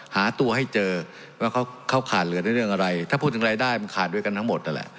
หาตัวให้เจอว่าเขาขาดเหลือในเรื่องอะไรถ้าพูดถึงรายได้มันขาดด้วยกันทั้งหมดนั่นแหละ